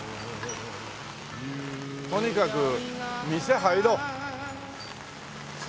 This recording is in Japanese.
とにかく店入ろう。